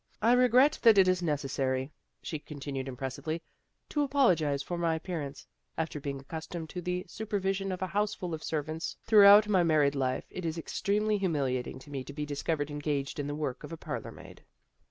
" I regret that it is necessary," she continued impressively, " to apologize for my appear ance. After being accustomed to the super vision of a house full of servants throughout my married life it is extremely humiliating to MAKING FRIENDS 49 me to be discovered engaged in the work of a parlor maid."